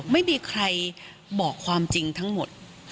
ไม่มีใครบอกความจริงทั้งหมด